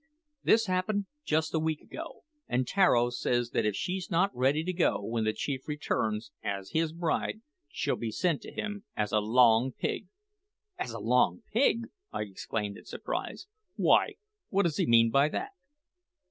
This happened just a week ago; an' Tararo says that if she's not ready to go, when the chief returns, as his bride, she'll be sent to him as a long pig." "As a long pig!" I exclaimed in surprise. "Why, what does he mean by that?"